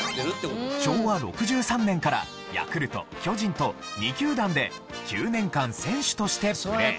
昭和６３年からヤクルト巨人と２球団で９年間選手としてプレー。